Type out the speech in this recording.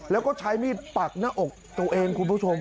แล้วก็ใช้มีดปักหน้าอกตัวเองคุณผู้ชม